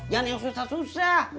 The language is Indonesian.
jangan yang susah susah